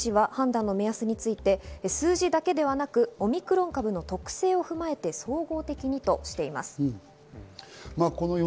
さらに神奈川県の黒岩知事は判断の目安について数字だけではなくオミクロン株の特性を踏まえて総合的にとしています。